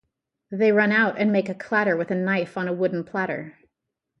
They run out and make a clatter with a knife on a wooden platter.